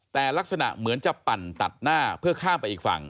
แต่ลักษณะเหมือนจะปั่นตัดหน้าเพื่อข้ามไปอีกฝั่ง